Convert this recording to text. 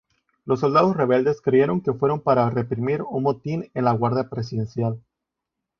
Los soldados rebeldes creyeron que fueron para reprimir un motín en la guardia presidencial.